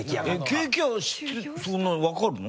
ケーキ屋そんなわかるの？